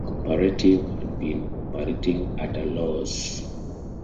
The cooperative had been operating at a loss.